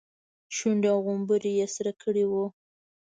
شونډې او غومبري يې سره کړي وو.